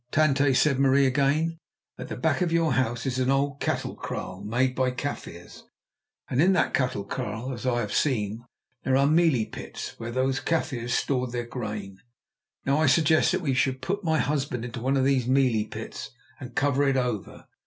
"Tante," said Marie again, "at the back of your house is an old cattle kraal made by Kaffirs, and in that cattle kraal, as I have seen, there are mealie pits where those Kaffirs stored their grain. Now I suggest that we should put my husband into one of those mealie pits and cover it over.